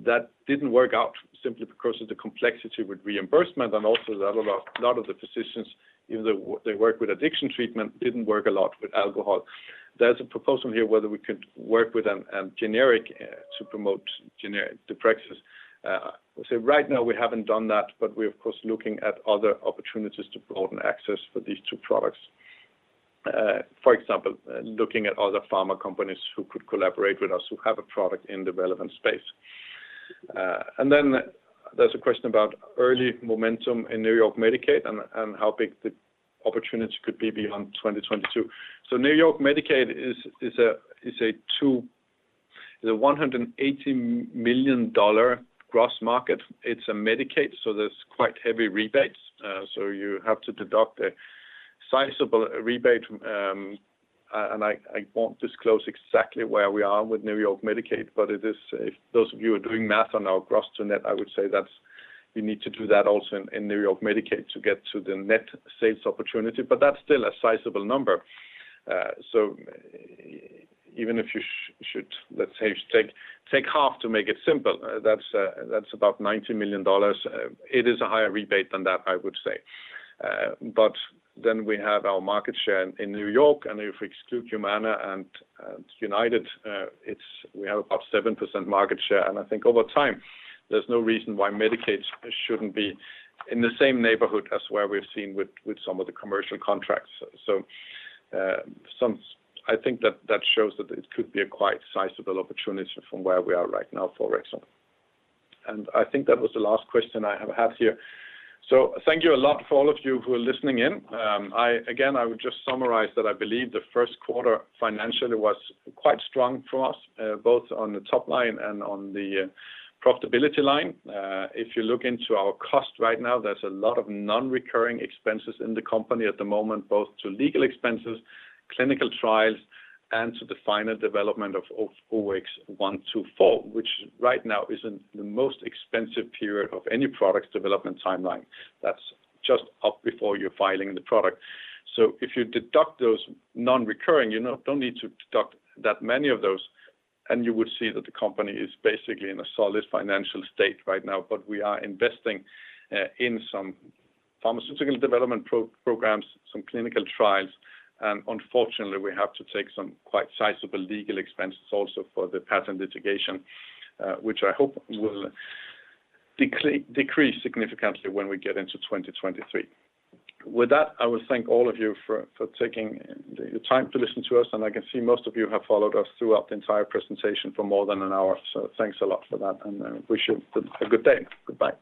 That didn't work out simply because of the complexity with reimbursement and also a lot of the physicians, even though they work with addiction treatment, didn't work a lot with alcohol. There's a proposal here whether we could work with them and generic to promote generic deprexis. Right now we haven't done that, but we're of course looking at other opportunities to broaden access for these two products. For example, looking at other pharma companies who could collaborate with us who have a product in the relevant space. Then there's a question about early momentum in New York Medicaid and how big the opportunity could be beyond 2022. New York Medicaid is a $180 million gross market. It's a Medicaid, so there's quite heavy rebates. You have to deduct a sizable rebate, and I won't disclose exactly where we are with New York Medicaid, but it is. If those of you are doing math on our gross to net, I would say that's. You need to do that also in New York Medicaid to get to the net sales opportunity. But that's still a sizable number. Even if you should, let's say, take half to make it simple, that's about $90 million. It is a higher rebate than that, I would say. We have our market share in New York, and if we exclude Humana and United, we have about 7% market share. I think over time, there's no reason why Medicaid shouldn't be in the same neighborhood as where we've seen with some of the commercial contracts. I think that shows that it could be a quite sizable opportunity from where we are right now for Orexo. I think that was the last question I have had here. Thank you a lot for all of you who are listening in. I again would just summarize that I believe the first quarter financially was quite strong for us, both on the top line and on the profitability line. If you look into our costs right now, there's a lot of non-recurring expenses in the company at the moment, both to legal expenses, clinical trials, and to the final development of OX124, which right now is in the most expensive period of any product development timeline. That's just up before you're filing the product. If you deduct those non-recurring, you know, don't need to deduct that many of those, and you would see that the company is basically in a solid financial state right now. We are investing in some pharmaceutical development programs, some clinical trials, and unfortunately, we have to take some quite sizable legal expenses also for the patent litigation, which I hope will decrease significantly when we get into 2023. With that, I will thank all of you for taking the time to listen to us, and I can see most of you have followed us throughout the entire presentation for more than an hour. Thanks a lot for that, and I wish you a good day. Goodbye.